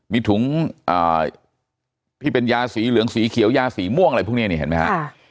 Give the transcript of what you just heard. มีถุงที่เป็นยาสีเหลืองสีเขียวยาสีม่วงอะไรพวกนี้นี่เห็นไหมฮะ